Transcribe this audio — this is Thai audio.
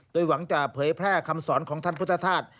โดยหวังจะเผยแพร่คำสอนของท่านพุทธธาตุ